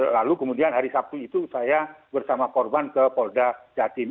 lalu kemudian hari sabtu itu saya bersama korban ke polda jatim